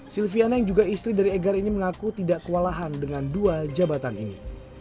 silviana yang juga istri dari egar ini mengaku tidak kewalahan dengan dua jabatan ini